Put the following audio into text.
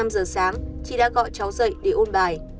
năm giờ sáng chị đã gọi cháu dậy để ôn bài